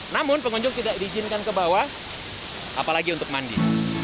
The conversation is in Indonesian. namun pengunjung tidak diizinkan ke bawah apalagi untuk mandi